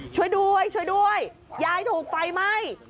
ช่วยด้วยยายถูกไฟไหม้